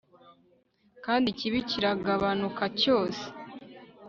Kandi ikibi kiragabanuka cyose